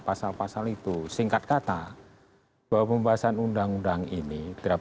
pasal pasal itu singkat kata bahwa pembahasan undang undang ini